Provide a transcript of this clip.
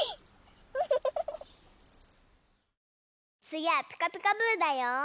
つぎは「ピカピカブ！」だよ。